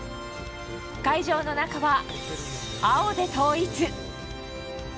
会場の中は青で統一。